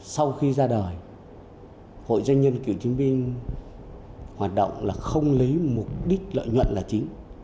sau khi ra đời hội doanh nhân cựu chiến binh hoạt động là không lấy mục đích lợi nhuận là chính